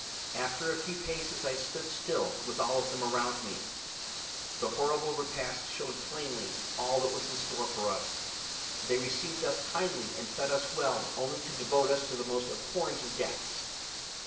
After a few paces I stood still, with all of them around me. The horrible repast showed plainly all that was in store for us. They received us kindly and fed us well only to devote us to the most abhorrent of deaths.